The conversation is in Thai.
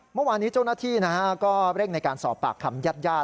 เมื่อวานี้โจร้าธินะฮะก็เร่งในการสอบปากคำยาด